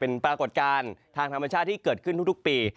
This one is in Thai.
เป็นปรากฏการณ์ทางธรรมชาติที่เกิดขึ้นทุกปี